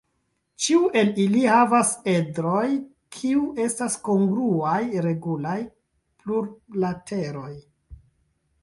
Ĉiu el ili havas edroj kiu estas kongruaj regulaj plurlateroj.